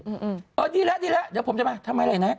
เออดีแล้วเดี๋ยวผมจะมาทำไมอะไรนะ